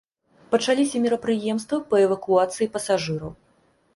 Пачаліся мерапрыемствы па эвакуацыі пасажыраў.